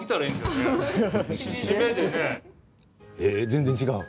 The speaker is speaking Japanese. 全然違う？